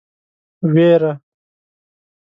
وېره.